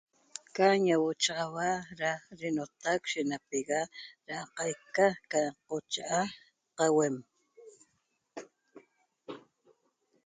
Ca ñauochaxaua da denotac shenapega da qaica ca qocha'a qauem